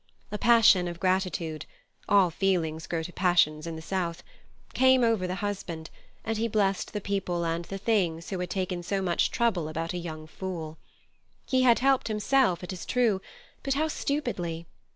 A passion of gratitude—all feelings grow to passions in the South—came over the husband, and he blessed the people and the things who had taken so much trouble about a young fool. He had helped himself, it is true, but how stupidly!